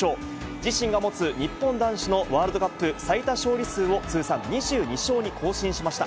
自身が持つ日本男子のワールドカップ最多勝利数を通算２２勝に更新しました。